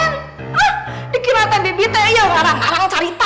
ah dikenadu bibitnya ya warang warang cerita